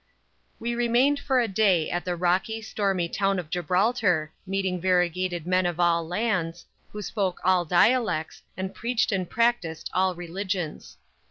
We remained for a day at the rocky, stormy town of Gibraltar, meeting variegated men of all lands, who spoke all dialects, and preached and practiced all religions.